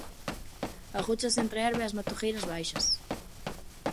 Agóchase entre a herba e as matogueiras baixas.